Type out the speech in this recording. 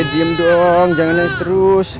aduh deh diam dong jangan naik terus